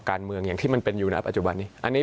โดยการเมืองอย่างที่มันเป็นอยู่แบบประจวบนี้